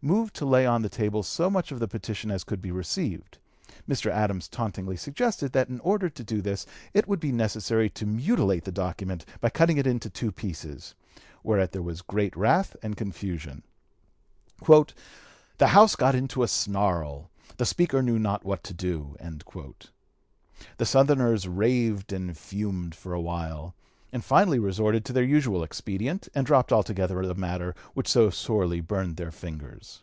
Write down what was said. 261) moved to lay on the table so much of the petition as could be received. Mr. Adams tauntingly suggested that in order to do this it would be necessary to mutilate the document by cutting it into two pieces; whereat there was great wrath and confusion, "the House got into a snarl, the Speaker knew not what to do." The Southerners raved and fumed for a while, and finally resorted to their usual expedient, and dropped altogether a matter which so sorely burned their fingers.